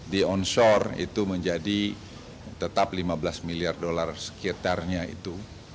di onshore itu menjadi tetap lima belas miliar dolar sekitarnya itu